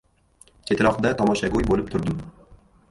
Chetroqda tomoshago‘y bo‘lib turdim.